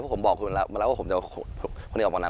เพราะผมบอกคุณแล้วว่าผมจะออกมานาน